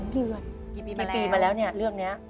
กี่ปีมาแล้วเนี่ยเรื่องนี้